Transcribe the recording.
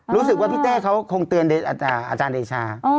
รู้สึกว่าพี่เต้เขาคงเตือนอาจารย์เดชา